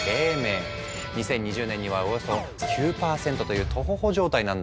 ２０２０年にはおよそ９％というトホホ状態なんだ。